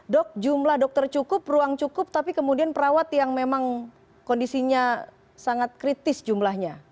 dok jumlah dokter cukup ruang cukup tapi kemudian perawat yang memang kondisinya sangat kritis jumlahnya